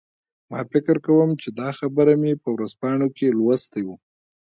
ما فکر کوم چې دا خبر مې په ورځپاڼو کې لوستی و